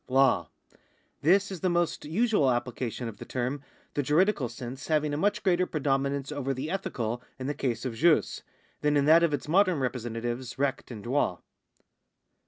Law. This is the most usual ap])lication of the term, the juridical scn.se having a much greater predominance over the ethical in the case of ju^, than in that of its modern representatives recht and droit.